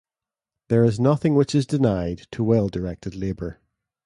There is nothing which is denied to well-directed labour.